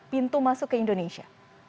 pintu masuk ke indonesia